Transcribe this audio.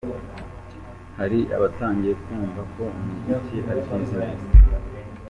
Hari abatangiye kumva ko umuziki ari business.